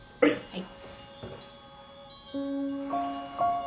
はい。